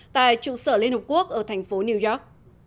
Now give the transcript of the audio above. tại trụ sở liên hợp quốc ở thành phố new york